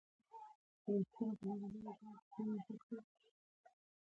د آنلاین پلتفورمونو له برکته د ښوونې او روزنې سیستم پرمختګ کوي.